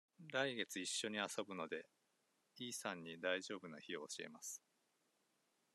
来月一緒に遊ぶので、イさんに大丈夫な日を教えます。